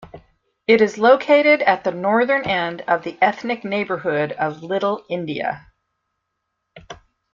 It is located at the northern end of the ethnic neighbourhood of Little India.